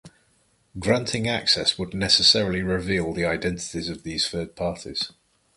Granting access would necessarily reveal the identities of these third parties.